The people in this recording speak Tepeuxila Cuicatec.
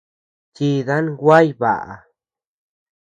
Chidan guay baʼa.